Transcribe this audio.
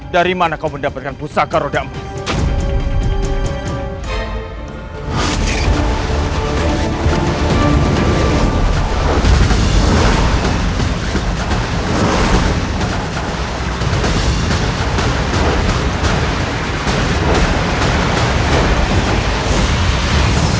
dari mana kau mendapatkan pusaka roda emas